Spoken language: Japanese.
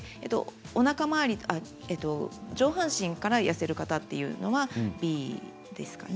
おなか回り、上半身から痩せる方というのはＢですかね。